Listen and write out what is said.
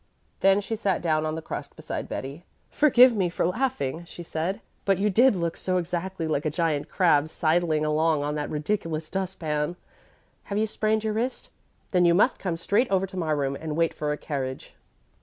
Then she sat down on the crust beside Betty. "Forgive me for laughing," she said, "but you did look so exactly like a giant crab sidling along on that ridiculous dust pan. Have you sprained your wrist? Then you must come straight over to my room and wait for a carriage."